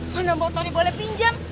mana motornya boleh pinjam